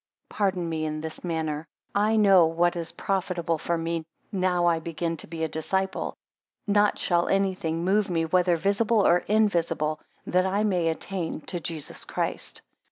12 Pardon me in this matter; I know what is profitable for me, now I begin to be a disciple. Not shall any thing move me whether visible or invisible, that I may attain to Jesus Christ.